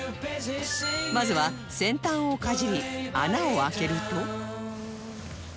まずは先端をかじり穴を開けると